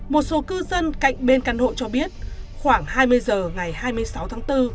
một số cư dân cạnh bên căn hộ cho biết khoảng hai mươi h ngày hai mươi sáu tháng bốn